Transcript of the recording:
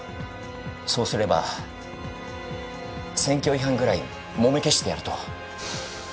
そうすれば選挙違反ぐらいもみ消してやると。